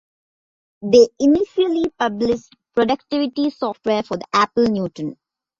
They initially published productivity software for the Apple Newton.